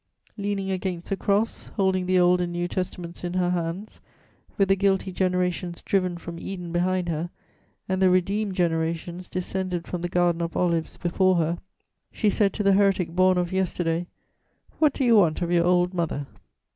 Leaning against the Cross, holding the Old and New Testaments in her hands, with the guilty generations driven from Eden behind her and the redeemed generations descended from the Garden of Olives before her, she said to the heretic born of yesterday: "What do you want of your old mother?"